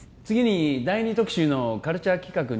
次に第２特集のカルチャー企画